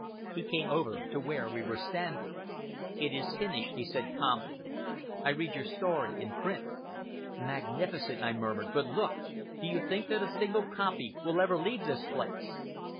He came over to where we were standing. "It is finished," he said calmly. "I read your story in print." "Magnificent," I murmured, "but look! Do you think that a single copy will ever leave this place?"